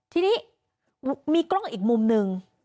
ทีนี้มีกล้องอีกมุมหนึ่ง